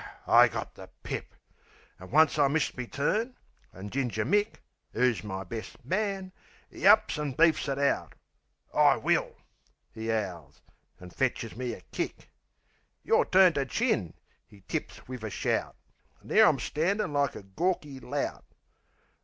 I got the pip! An' once I missed me turn; an' Ginger Mick, 'Oo's my best man, 'e ups an' beefs it out. "I will!" 'e 'owls; an' fetches me a kick. "Your turn to chin!" 'e tips wiv a shout. An' there I'm standin' like a gawky lout.